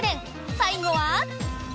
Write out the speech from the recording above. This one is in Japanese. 最後は。